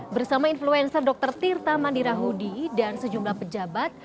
bersama influencer dr tirta mandirahudi dan sejumlah pejabat